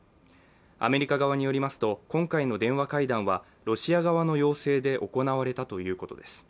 アメリカ側によりますと今回の電話会談はロシア側の要請で行われたということです。